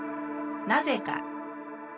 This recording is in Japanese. なぜか。